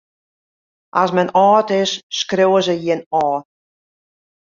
Ast men âld is, skriuwe se jin ôf.